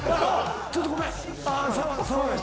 ちょっとごめん。